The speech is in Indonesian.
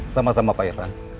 sama sama pak irfan